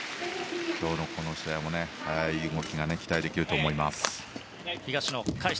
今日のこの試合も速い動きが期待できると思います。